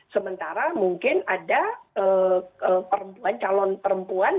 sementara mungkin ada perempuan calon perempuan